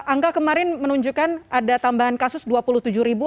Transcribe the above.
angka kemarin menunjukkan ada tambahan kasus dua puluh tujuh ribu